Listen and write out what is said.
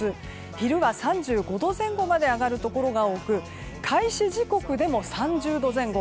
昼は３５度前後まで上がるところが多く開始時刻でも３０度前後。